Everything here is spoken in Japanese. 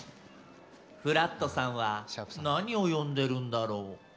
フラットさんは何を読んでるんだろう？